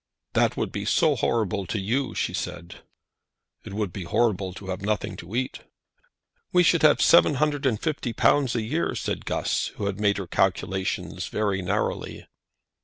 "That would be so horrible to you!" she said. "It would be horrible to have nothing to eat." "We should have seven hundred and fifty pounds a year," said Guss, who had made her calculations very narrowly.